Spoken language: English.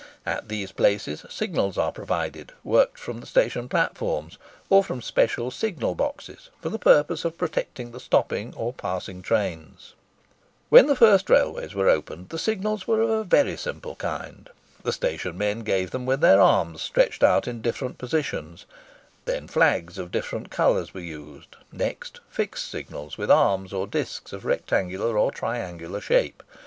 At these places, signals are provided, worked from the station platforms, or from special signal boxes, for the purpose of protecting the stopping or passing trains. When the first railways were opened, the signals were of a very simple kind. The station men gave them with their arms stretched out in different positions; then flags of different colours were used; next fixed signals, with arms or discs of rectangular or triangular shape.